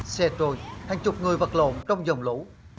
một xe trôi hàng chục người vật lộn trong dòng lũ